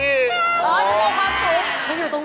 อ๋อคือความสูง